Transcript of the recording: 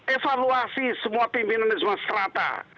evaluasi semua pimpinan ini semua serata